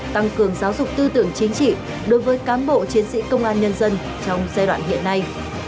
tăng cường giáo dục tư tưởng chính trị đối với cán bộ chiến sĩ công an nhân dân trong giai đoạn hiện nay